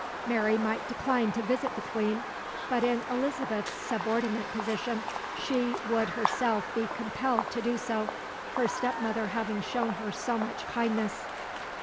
Mary might decline to visit the Queen, but in Elizabeth's subordinate position she would herself be compelled to do so, her step mother having shown her so much kindness.